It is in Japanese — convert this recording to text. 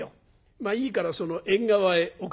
まあいいからその縁側へお掛けなさい」。